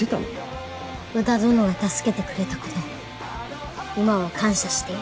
宇田どのが助けてくれた事今は感謝している。